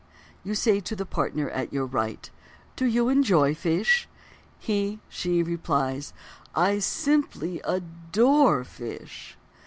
_ You say to the partner at your right: "Do you enjoy fish?" She (he) replies: "I simply adore fish."